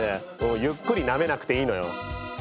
ゆっくりなめなくていいのよ。